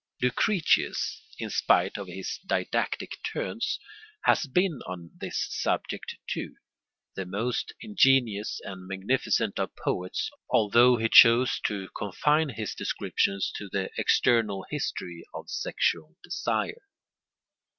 Lucretius, in spite of his didactic turns, has been on this subject, too, the most ingenuous and magnificent of poets, although he chose to confine his description to the external history of sexual desire.